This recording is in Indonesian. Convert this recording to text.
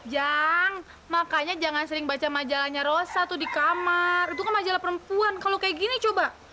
jang makanya jangan sering baca majalahnya rosa tuh di kamar itu kan majalah perempuan kalau kayak gini coba